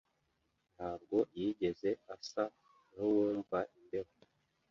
Ntabwo yigeze asa nkuwumva imbeho.